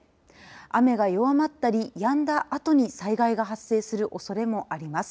雨が弱まったりやんだあとに災害が発生するおそれもあります。